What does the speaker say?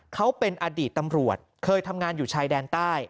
เขาเป็นอดีตตำรวจเคยทำงานอยู่ชายแดนใต้